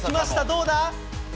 どうだ？